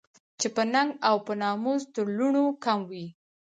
چې په ننګ او په ناموس تر لوڼو کم وي